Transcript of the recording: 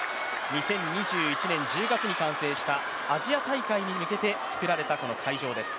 ２０２１年１０月に完成したアジア大会に向けてつくられた会場です。